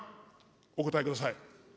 お答えください。